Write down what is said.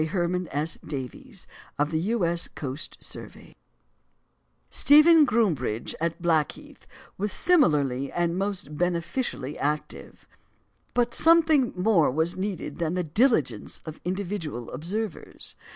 Stephen Groombridge at Blackheath was similarly and most beneficially active. But something more was needed than the diligence of individual observers.